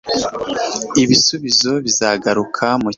ibisubizo bizagaruka mu cyumweru